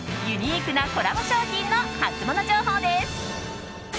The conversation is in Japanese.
ユニークなコラボ商品のハツモノ情報です。